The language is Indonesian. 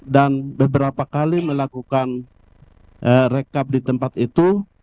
dan beberapa kali melakukan rekap di tempat itu